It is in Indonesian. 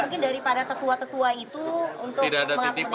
mungkin dari para tetua tetua itu untuk mengakomodasi